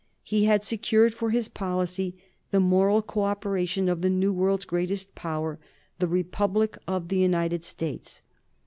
He had secured for his policy the moral co operation of the New World's greatest power the Republic of the United States.